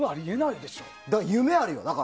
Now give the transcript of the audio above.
だから夢あるよ。